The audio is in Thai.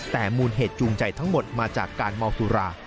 แต่มูลเหตุจูงใจทั้งหมดมาจากการเมาสุรา